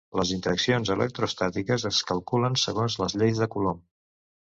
Les interaccions electroestàtiques es calculen segons les lleis de Coulomb.